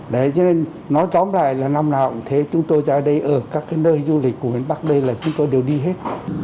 đấy cho nên nói tóm lại là năm nào cũng thế chúng tôi ra ở đây ở các cái nơi du lịch của miền bắc đây là chúng tôi đều đi hết